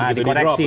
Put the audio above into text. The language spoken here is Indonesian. nah di koreksi